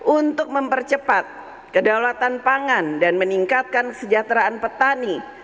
untuk mempercepat kedaulatan pangan dan meningkatkan kesejahteraan petani